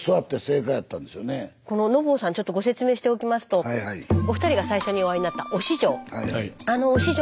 ちょっとご説明しておきますとお二人が最初にお会いになった忍城。